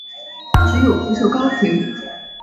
只有不锈钢型。